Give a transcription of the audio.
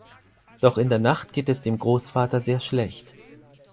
Doch in der Nacht geht es dem Großvater sehr schlecht.